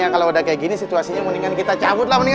kalo udah kayak gini situasinya mendingan kita cabut lah